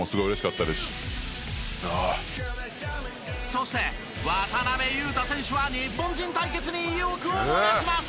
そして渡邊雄太選手は日本人対決に意欲を燃やします！